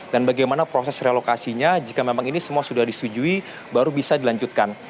dan bagaimana proses relokasinya jika memang ini semua sudah disetujui baru bisa dilanjutkan